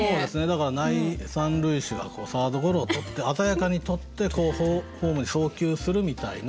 だから三塁手がこうサードゴロを捕って鮮やかに捕ってホームに送球するみたいな。